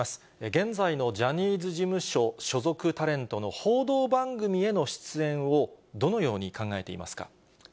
現在のジャニーズ事務所所属タレントの報道番組への出演を、どのように考えていますか。